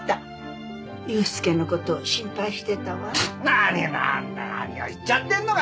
何を何を言っちゃってるのかな。